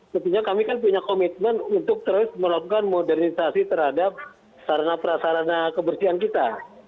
tentunya kami kan punya komitmen untuk terus melakukan modernisasi terhadap sarana prasarana kebersihan kita